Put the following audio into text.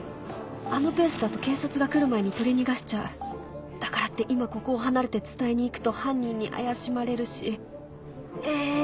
あのペースだと警察が来る前に取り逃がしちゃうだからって今ここを離れて伝えにいくと犯人に怪しまれるしえ！